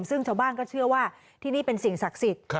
ซึ่งชาวบ้านก็เชื่อว่าที่นี่เป็นสิ่งศักดิ์สิทธิ์